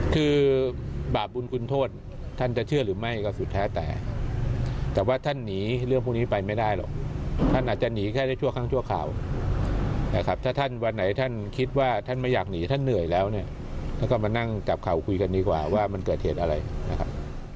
คือบาปบุญคุณโทษท่านจะเชื่อหรือไม่ก็สุดแท้แต่แต่ว่าท่านหนีเรื่องพวกนี้ไปไม่ได้หรอกท่านอาจจะหนีแค่ได้ชั่วครั้งชั่วคราวนะครับถ้าท่านวันไหนท่านคิดว่าท่านไม่อยากหนีท่านเหนื่อยแล้วเนี่ยแล้วก็มานั่งจับข่าวคุยกันดีกว่าว่ามันเกิดเหตุอะไรนะครับ